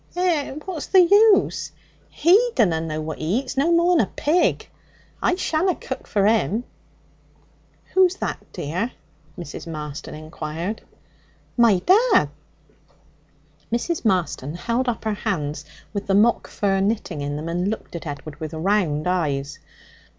'Eh, what's the use? He dunna know what he eats no more than a pig! I shanna cook for 'im.' 'Who's that, dear?' Mrs. Marston inquired. 'My dad.' Mrs. Marston held up her hands with the mock fur knitting in them, and looked at Edward with round eyes.